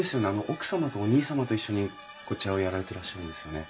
奥様とお兄様と一緒にこちらをやられてらっしゃるんですよね？